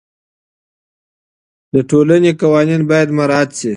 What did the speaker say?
د ټولني قوانین باید مراعات سي.